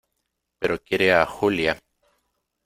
pero quiere a Julia.